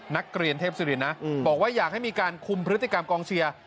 นักเรียนเทพศิรินนะบอกว่าอยากให้มีการคุมพฤติกรรมกองเชียร์